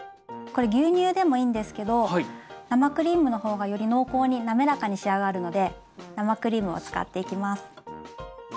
これ牛乳でもいいんですけど生クリームの方がより濃厚に滑らかに仕上がるので生クリームを使っていきます。